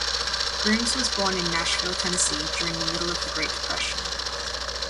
Grooms was born in Nashville, Tennessee during the middle of the Great Depression.